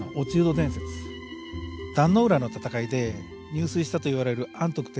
壇ノ浦の戦いで入水したといわれる安徳天皇。